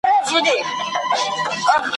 او زیاتره ښه لګیږي ,